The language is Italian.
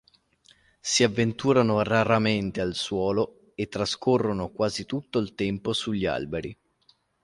Si avventurano raramente al suolo e trascorrono quasi tutto il tempo sugli alberi.